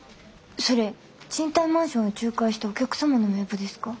それ賃貸マンションを仲介したお客様の名簿ですか？